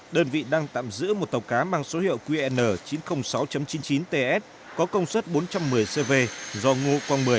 đơn vị đang tạm giữ một tàu cá mang số hiệu qn chín trăm linh sáu chín mươi chín ts có công suất bốn trăm một mươi cv do ngo quang một mươi